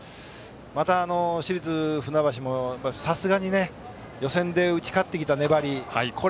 また市立船橋もさすがに予選で打ち勝ってきた粘り。